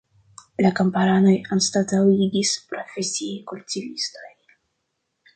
La kamparanojn anstataŭigis profesiaj kultivistoj.